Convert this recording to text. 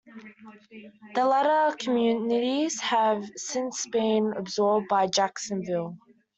The latter communities have since been absorbed by Jacksonville.